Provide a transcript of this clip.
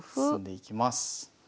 進んでいきます。